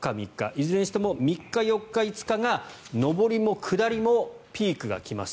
いずれにしても３日、４日、５日が上りも下りもピークが来ます。